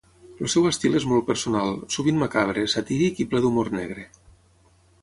El seu estil és molt personal, sovint macabre, satíric i ple d'humor negre.